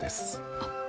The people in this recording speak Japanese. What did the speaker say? あっ。